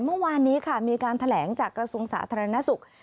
เมื่อวานนี้ค่ะมีการแถลงจากกระทรวงสาธารณสุข